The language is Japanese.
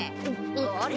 あれ？